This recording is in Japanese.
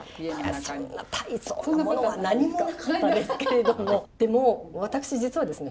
そんな大層なものは何もなかったですけれどもでも私実はですね